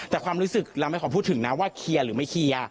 แต่ความรู้สึกเราไม่ขอพูดถึงนะว่าเคลียร์หรือไม่เคลียร์